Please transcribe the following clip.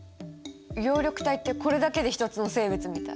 葉緑体ってこれだけで一つの生物みたい。